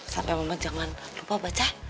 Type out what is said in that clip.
sampai mama jangan lupa baca